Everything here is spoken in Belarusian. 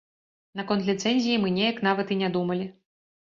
Наконт ліцэнзіі мы неяк нават і не думалі.